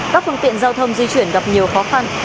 các phương tiện giao thông di chuyển gặp nhiều khó khăn